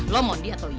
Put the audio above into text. lo mondi atau ian